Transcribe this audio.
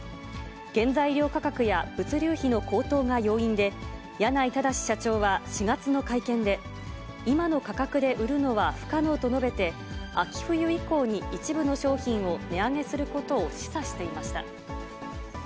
原材料価格や物流費の高騰が要因で、柳井正社長は４月の会見で、今の価格で売るのは不可能と述べて、秋冬以降に一部の商品を値上げすることを示唆していました。